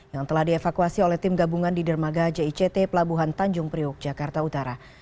yang telah dievakuasi oleh tim gabungan di dermaga jict pelabuhan tanjung priuk jakarta utara